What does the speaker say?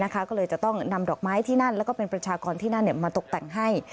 ก็เลยจะต้องนำดอกไม้ที่นั่นแล้วก็เป็นประชากรที่นั่นมาตกแต่งให้